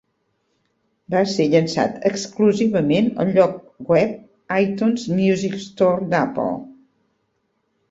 Va ser llançat exclusivament al lloc web iTunes Music Store d'Apple.